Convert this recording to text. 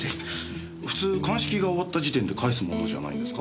普通鑑識が終わった時点で返すものじゃないんですか？